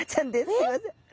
すいません。